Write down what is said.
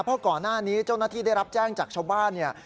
เพราะก่อนหน้านี้เจ้าหน้าที่ได้รับแจ้งจากชาวบ้านเนี่ย